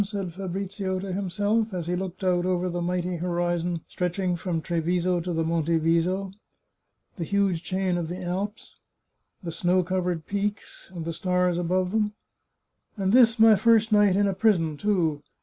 " said Fabrizio to himself, as he looked out over the mighty horizon stretching from Treviso to the Monte Viso, the huge chain of the Alps, the snow covered peaks, and the stars above them, " And this my first night in a prison, too!